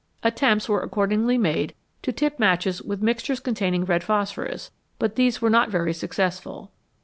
Attempts were accordingly made to tip matches with mixtures containing red phosphorus, but these were not very successful.